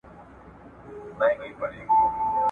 زه به خبري کړې وي!!